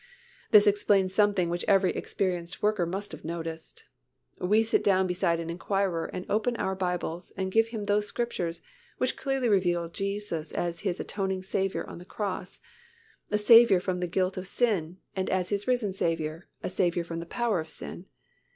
This explains something which every experienced worker must have noticed. We sit down beside an inquirer and open our Bibles and give him those Scriptures which clearly reveal Jesus as his atoning Saviour on the cross, a Saviour from the guilt of sin, and as his risen Saviour, a Saviour from the power of sin.